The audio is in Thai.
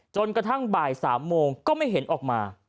จนกระทั่งบ่าย๓โมงก็ไม่เห็นออกมา